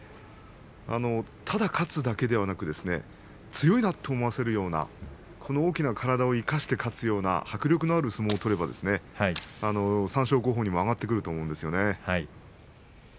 ただ勝つだけではなくて強いなと思わせるようなこの大きな体を生かして勝つような迫力のある相撲を取ればですね三賞候補に挙がってくると思いますね。